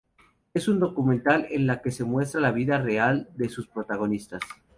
Es un documental en el que se muestra la vida real de sus protagonistas.